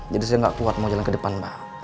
jadi saya gak kuat mau jalan ke depan mbak